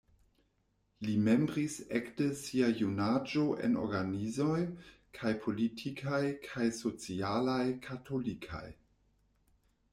Li membris ekde sia junaĝo en organizoj kaj politikaj kaj socialaj katolikaj.